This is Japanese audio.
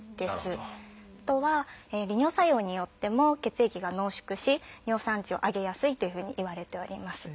あとは利尿作用によっても血液が濃縮し尿酸値を上げやすいというふうにいわれております。